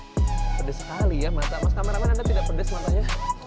hai pedes sekali ya mata mas kameraman anda tidak pedes matanya